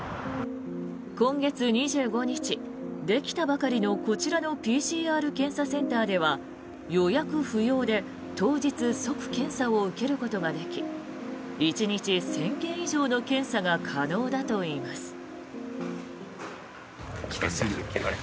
今月２５日、できたばかりのこちらのＰＣＲ検査センターでは予約不要で当日、即検査を受けることができ１日１０００件以上の検査が可能だといいます。